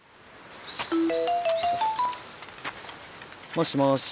もしもし。